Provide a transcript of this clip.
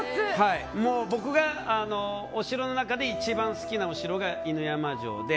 僕がお城の中で一番好きなお城が犬山城で。